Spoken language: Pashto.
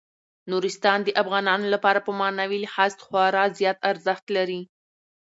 نورستان د افغانانو لپاره په معنوي لحاظ خورا زیات ارزښت لري.